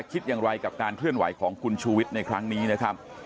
คิดอย่างไรกับการเคลื่อนไหวของคุณชูวิทย์ในครั้งนี้นะครับ